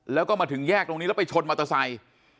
แล้วก็มาถึงแยกตรงนี้แล้วไปชนมอเตอร์ไซค์